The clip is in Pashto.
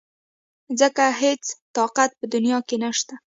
ځکه هېڅ طاقت په دنيا کې نشته .